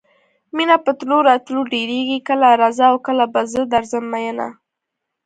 مینه په تلو راتلو ډېرېږي کله راځه او کله به زه درځم میینه.